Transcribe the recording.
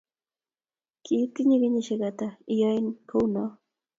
Kiitinye kenyisiek ata iyoe kou noe?